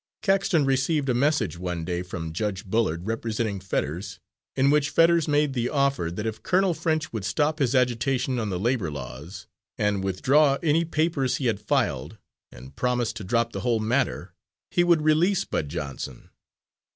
Caxton received a message one day from Judge Bullard, representing Fetters, in which Fetters made the offer that if Colonel French would stop his agitation on the labour laws, and withdraw any papers he had filed, and promise to drop the whole matter, he would release Bud Johnson.